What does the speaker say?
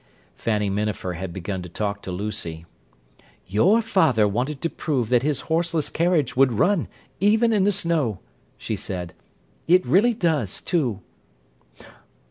Fanny Minafer had begun to talk to Lucy. "Your father wanted to prove that his horseless carriage would run, even in the snow," she said. "It really does, too."